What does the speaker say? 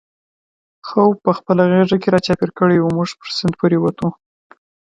خوپ په خپله غېږ کې را چاپېر کړی و، موږ پر سیند پورې وتو.